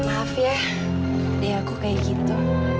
maaf ya dari aku kayak gitu